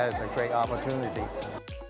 dan saya pikir ini adalah kesempatan yang bagus